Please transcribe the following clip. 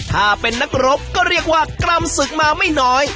ถ้าเป็นนักรบก็เรียกว่ากรรมศึกมาไม่น้อย